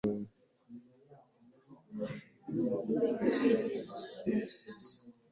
yarwanije amarira. yari yararize bihagije ijoro ryakeye